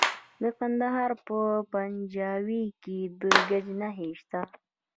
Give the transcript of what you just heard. د کندهار په پنجوايي کې د ګچ نښې شته.